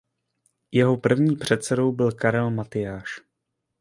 Jeho prvním předsedou byl Karel Matyáš.